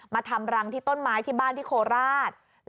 ทำรังที่ต้นไม้ที่บ้านที่โคราช